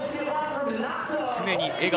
常に笑顔。